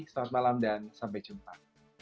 selamat malam dan sampai jumpa